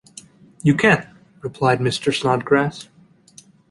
‘You can,’ replied Mr. Snodgrass.